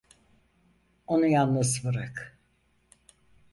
Onu yalnız bırak.